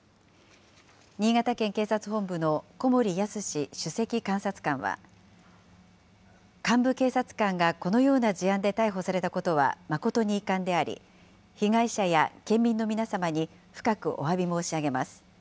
新潟県警察本部の小森也寸志首席監察官は、幹部警察官がこのような事案で逮捕されたことは誠に遺憾であり、被害者や県民の皆様に深くおわび申し上げます。